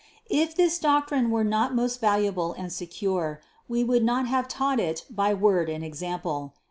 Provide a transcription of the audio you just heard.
If this doctrine were not most valuable and secure, We would not have taught it by word and example.